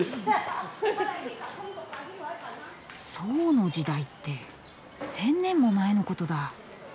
宋の時代って１，０００年も前のことだ。